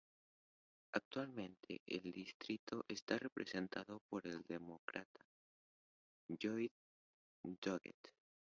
Actualmente el distrito está representado por el Demócrata Lloyd Doggett.